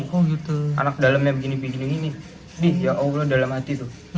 ini kok gitu anak dalemnya begini begini ini di ya allah dalam hati tuh